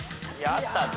あったんだ